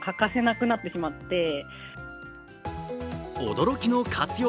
驚きの活用